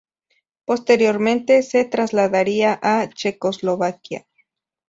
Posteriormente se trasladaría a Checoslovaquia.